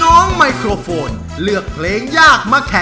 น้องไมโครโฟนจากทีมมังกรจิ๋วเจ้าพญา